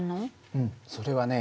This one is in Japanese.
うんそれはね